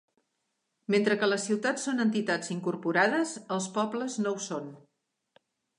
Mentre que les ciutats són entitats incorporades, els pobles no ho són.